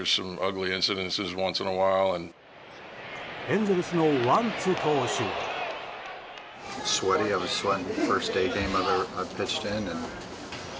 エンゼルスのワンツ投手は。